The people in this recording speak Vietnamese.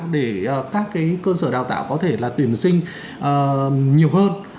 để các cơ sở đào tạo có thể là tuyển sinh nhiều hơn